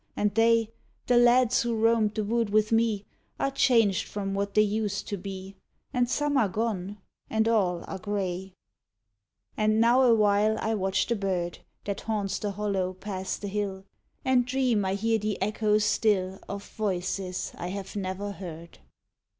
And they, The lads who roamed the wood with me, Are changed from what they used to be, And some are gone, and all are grey. 66 THE RETURN And now awhile I watch the bird That haunts the hollow past the hill, And dream I hear the echo still Of voices I have never heard.